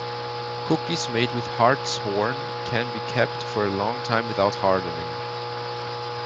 Cookies made with hartshorn can be kept for a long time without hardening.